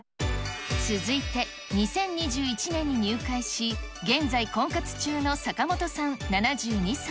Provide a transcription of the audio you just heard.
続いて、２０２１年に入会し、現在、婚活中の坂本さん７２歳。